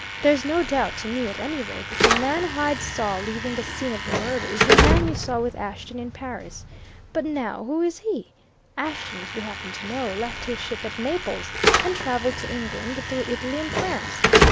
There's no doubt, to me, at any rate, that the man Hyde saw leaving the scene of the murder is the man you saw with Ashton in Paris. But now, who is he? Ashton, as we happen to know, left his ship at Naples, and travelled to England through Italy and France.